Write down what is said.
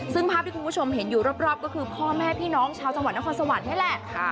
ซึ่งภาพที่คุณผู้ชมเห็นอยู่รอบก็คือพ่อแม่พี่น้องชาวจังหวัดนครสวรรค์นี่แหละ